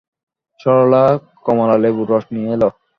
সরলা কমলালেবুর রস নিয়ে এল।